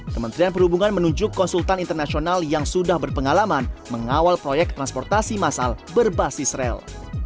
kementerian perhubungan menunjuk konsultan internasional yang sudah berpengalaman mengawal proyek transportasi masal berbasis rel